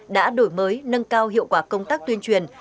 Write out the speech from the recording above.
đã đổi mới nâng cao hiệu quả công tác tuyên truyền